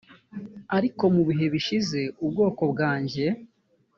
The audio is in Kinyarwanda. ariko mu bihe bishize ubwoko bwanjye